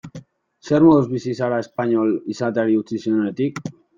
Zer moduz bizi zara espainol izateari utzi zenionetik?